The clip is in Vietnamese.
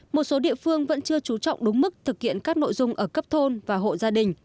một số địa phương vẫn chưa trú trọng đúng mức thực hiện các nội dung ở cấp thôn và hộ gia đình